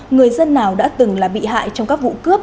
người dân nào đã từng là bị hại trong các vụ cướp